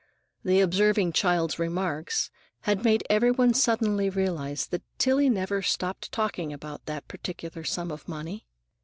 The observing child's remark had made every one suddenly realize that Tillie never stopped talking about that particular sum of money.